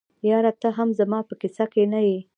یاره ته هم زما په کیسه کي نه یې.